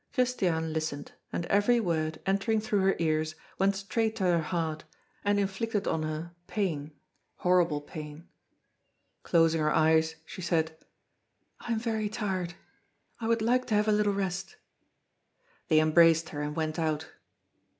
Christiane listened, and every word, entering through her ears, went straight to her heart, and inflicted on her pain, horrible pain. Closing her eyes, she said: "I am very tired. I would like to have a little rest." They embraced her and went out.